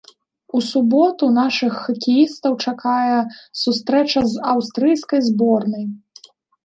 У суботу нашых хакеістаў чакае сустрэча з аўстрыйскай зборнай.